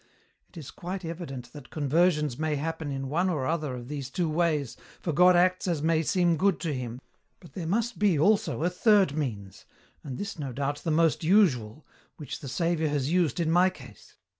It is quite evident that conversions may happen in one or other of these two ways, for God acts as may seem good to Him, but there must be also a third means, and this no doubt the most usual, which the Saviour has used in my case.